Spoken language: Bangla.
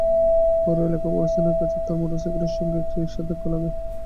পৌর এলাকার কবরস্থানের কাছে তাঁর মোটরসাইকেলের সঙ্গে একটি রিকশার ধাক্কা লাগে।